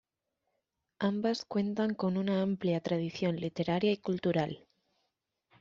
Ambas cuentan con una amplia tradición literaria y cultural.